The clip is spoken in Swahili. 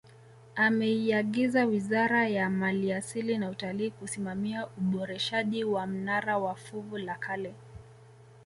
Ameiyagiza Wizara ya maliasili na Utalii kusimamia uboreshaji wa mnara wa fuvu la kale